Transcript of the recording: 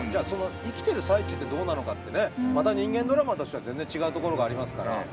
その生きてる最中ってどうなのかって人間ドラマとしては全然、違うところがありますから。